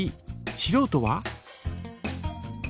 しろうとは？